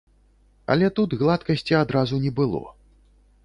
Але тут гладкасці адразу не было.